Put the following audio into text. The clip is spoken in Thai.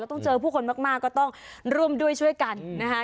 ต้องเจอผู้คนมากก็ต้องร่วมด้วยช่วยกันนะคะ